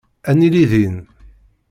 Ad nili din.